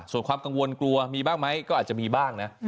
ส่วนความกังวลกลัวมีบ้างไหมก็อาจจะมีบ้างนะ